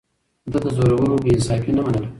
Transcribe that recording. ده د زورورو بې انصافي نه منله.